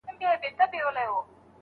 نیکه ویله چي کوی ښه کار